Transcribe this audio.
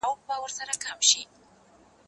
زه به اوږده موده لوښي وچولي وم!.